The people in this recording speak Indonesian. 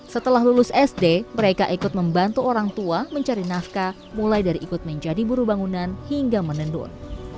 setelah lulus sd mereka ikut membantu orang tua mencari nafkah mulai dari ikut menjadi buru bangunan hingga menendur